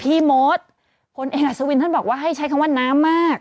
พี่โม๊ตคนเอกอัศวินทร์ท่านบอกว่าให้ใช้คำว่าน้ำมาก